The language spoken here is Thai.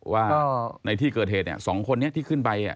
ว่าในที่เกิดเหตุ๒คนนี้ที่ขึ้นไป